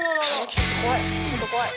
ちょっと怖い！